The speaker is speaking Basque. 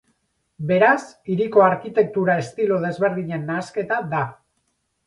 Beraz, hiriko arkitektura estilo desberdinen nahasketa da.